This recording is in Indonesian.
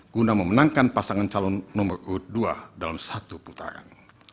guna memenangkan pasangan calon nomor urut dua dalam satu putaran